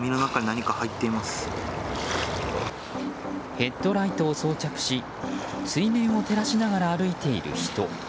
ヘッドライトを装着し水面を照らしながら歩いている人。